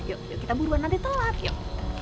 yuk yuk kita buruan nanti sholat yuk